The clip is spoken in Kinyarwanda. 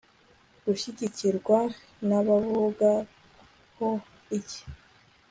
Gushyigikirwa nabivuga ho iki